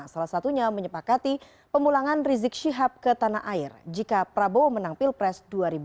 salah satunya menyepakati pemulangan rizik syihab ke tanah air jika prabowo menang pilpres dua ribu sembilan belas